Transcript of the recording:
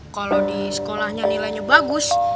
kalau di sekolahnya nilainya bagus